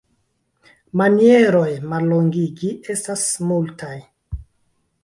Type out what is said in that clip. Manieroj mallongigi estas multaj.